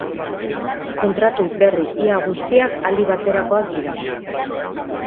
Kontratu berri ia guztiak aldi baterakoak dira.